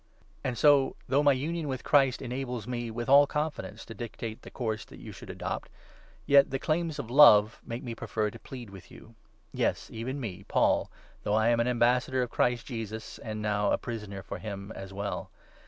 And so, though my union with Christ enables me, with all 8 confidence, to dictate the course that you should adopt, yet 9 the claims of love make me prefer to plead with you — yes, even me, Paul, though I am an ambassador for Christ Jesus and, now, a prisoner for him as well.